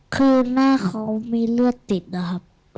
คือแม่เขามีเลือดติดนะครับ